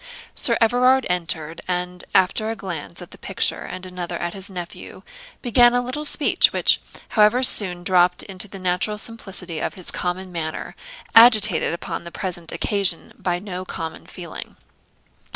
Sir Everard entered, and after a glance at the picture and another at his nephew, began a little speech, which, however, soon dropt into the natural simplicity of his common manner, agitated upon the present occasion by no common feeling.